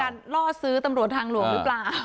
มันเป็นการล่อซื้อตำรวจทางหลวงหรือเปล่า